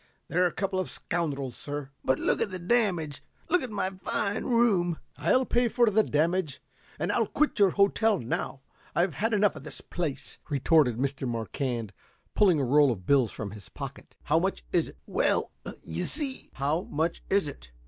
They are a couple of scoundrels, sir." "But the damage. Look at my fine room." "I'll pay for the damage, and I'll quit your hotel now. I've had enough of the place," retorted Mr. Marquand, pulling a roll of bills from his pocket. "How much is it?" "Well, you see " "How much is it?"